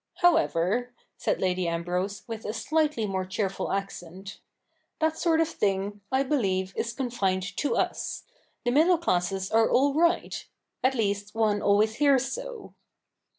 However,' said Lady Ambrose, with a slightly more cheerful accent, ' that sort of thing, I believe, is confined to us. The middle classes are all right — at least, one always hears so.'